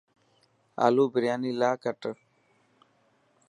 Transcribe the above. آلو برياني لاءِ ڪٽ.